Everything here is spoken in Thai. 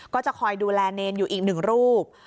ก็จะคอยดูแลเนรอยู่อีกหนึ่งรูป